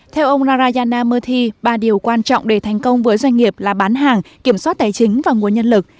theo ông rarayana mothi ba điều quan trọng để thành công với doanh nghiệp là bán hàng kiểm soát tài chính và nguồn nhân lực